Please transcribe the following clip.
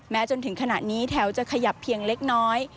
จนถึงขณะนี้แถวจะขยับเพียงเล็กน้อย